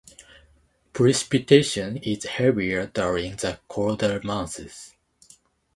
Precipitation is heavier during the colder months.